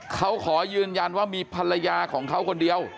เขาขอยืนยันว่ามีภรรยาของเขาคนเดียว